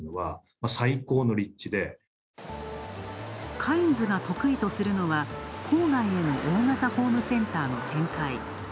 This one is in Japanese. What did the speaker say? カインズが得意とするのは、郊外への大型ホームセンターの展開。